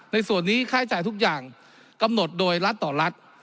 ในส่วนนี้ค่าใช้จ่ายทุกอย่างกำหนดโดยรัฐต่อรัฐ